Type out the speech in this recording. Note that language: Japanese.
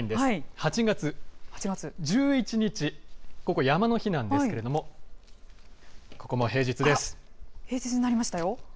８月１１日、ここ山の日なんですけれども、ここも平日です。